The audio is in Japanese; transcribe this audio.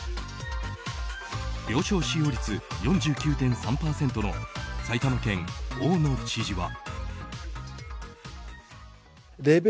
病床使用率４９．３％の埼玉県、大野知事は。